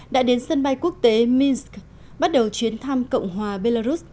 đã đến sân bay quốc tế minsk bắt đầu chuyến thăm cộng hòa belarus